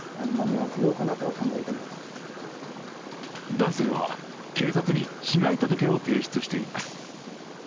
男性は警察に被害届を提出しています。